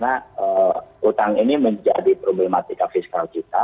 karena utang ini menjadi problematika fiskal kita